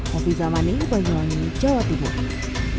hafizah mani banjongi jawa tenggara